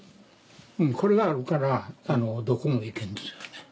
うんこれがあるからどこも行けんですよね。